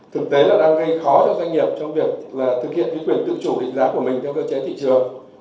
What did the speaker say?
thực tế là đang gây khó cho doanh nghiệp trong việc thực hiện quyền tự chủ định giá của mình theo cơ chế thị trường